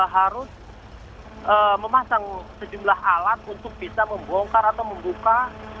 harus memasang sejumlah alat untuk bisa membongkar atau membuka